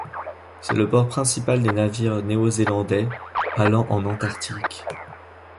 C'est le port principal des navires néo-zélandais allant en Antarctique.